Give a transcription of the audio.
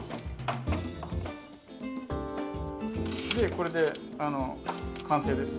これで完成です。